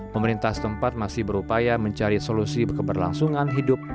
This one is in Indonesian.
pemerintah setempat masih berupaya mencari solusi keberlangsungan hidup